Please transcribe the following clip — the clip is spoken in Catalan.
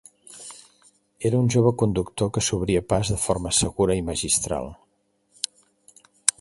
Era un jove conductor que s'obria pas de forma segura i magistral.